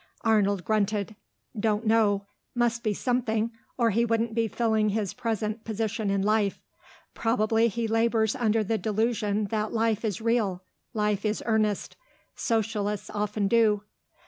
Arnold grunted. "Don't know. Must be something, or he wouldn't be filling his present position in life. Probably he labours under the delusion that life is real, life is earnest. Socialists often do....